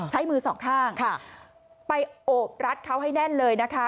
ใช้มือสองข้างไปโอบรัดเขาให้แน่นเลยนะคะ